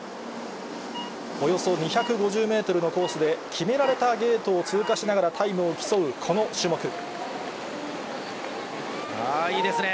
およそ２５０メートルのコースで、決められたゲートを通過しながらいいですね。